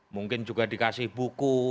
mungkin juga dikasih buku